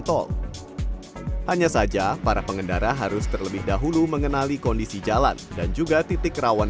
tol hanya saja para pengendara harus terlebih dahulu mengenali kondisi jalan dan juga titik rawan